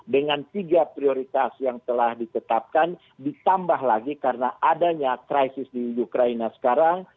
dengan tiga prioritas yang telah ditetapkan ditambah lagi karena adanya krisis di ukraina sekarang